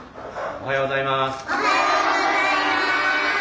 おはようございます。